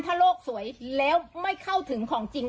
ถ้าโลกสวยแล้วไม่เข้าถึงของจริง